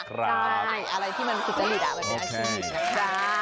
ใช่อะไรที่มันคุ้กจังหิดมันเป็นอาชีพ